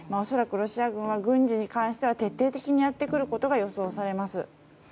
恐らく、ロシア軍は軍事に関しては徹底的にやってくることが予想されます。